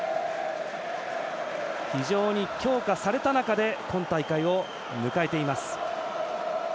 非常に強化された中で今大会を迎えています。